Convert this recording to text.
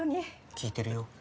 聞いてるよ。